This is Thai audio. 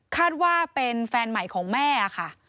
คาดว่าเป็นแฟนใหม่ของแม่ค่ะ